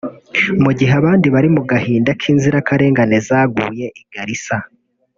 mu gihe abandi bari mu gahinda k’inzirakarengane zaguye i Garissa